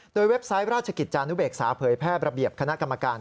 โดยเว็บไซต์ราชกิจจานุเบกษาเผยแพร่ระเบียบคณะกรรมการ